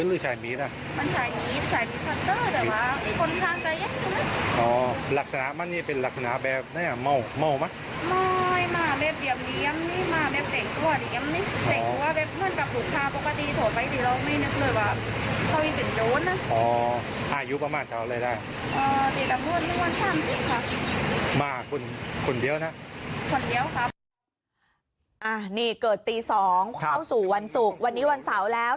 นี้เกิดหละวันสองได้เข้าสู่วันศุกร์วันนี้วันเศร้าแล้ว